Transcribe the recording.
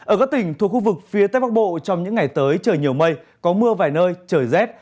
ở các tỉnh thuộc khu vực phía tây bắc bộ trong những ngày tới trời nhiều mây có mưa vài nơi trời rét